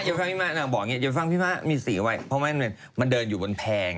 ฉันบอกอย่างนี้อย่าฟังพี่ม้ามีสติเอาไว้เพราะว่ามันเดินอยู่บนแพง